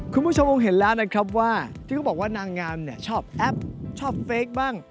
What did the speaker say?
คุณผู้ชมคงเห็นแล้วนะครับว่าที่เขาบอกว่านางงามเนี่ยชอบแอปชอบเฟคบ้าง